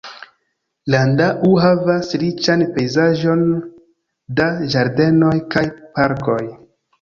Landau havas riĉan pejzaĝon da ĝardenoj kaj parkoj.